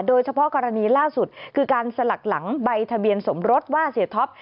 โดยเฉพาะกรณีล่าสุดคือการสลักหลังใบทะเบียนสมรสว่าเสียท็อป